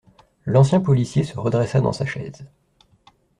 L’ancien policier se redressa dans sa chaise.